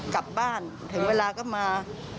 กลับบ้านถึงเวลาก็มา